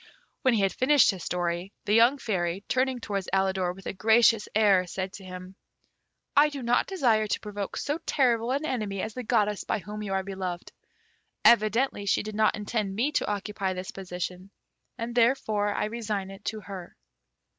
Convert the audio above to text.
When he had finished his story, the young Fairy, turning towards Alidor with a gracious air, said to him, "I do not desire to provoke so terrible an enemy as the goddess by whom you are beloved. Evidently she did not intend me to occupy this position, and therefore I resign it to her."